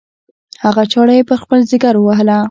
هغه چاړه یې په خپل ځګر ووهله.